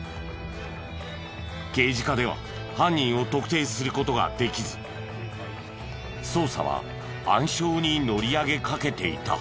刑事課では犯人を特定する事ができず捜査は暗礁に乗り上げかけていた。